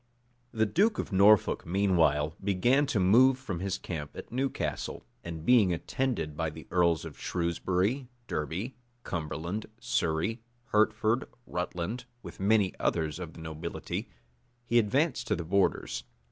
[*] The duke of Norfolk, meanwhile, began to move from his camp at Newcastle; and being attended by the earls of Shrewsbury, Derby, Cumberland, Surrey, Hertford, Rutland, with many others of the nobility, he advanced to the borders.